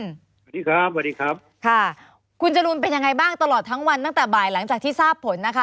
สวัสดีครับสวัสดีครับค่ะคุณจรูนเป็นยังไงบ้างตลอดทั้งวันตั้งแต่บ่ายหลังจากที่ทราบผลนะคะ